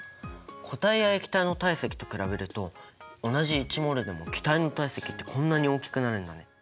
固体や液体の体積と比べると同じ１ｍｏｌでも気体の体積ってこんなに大きくなるんだね。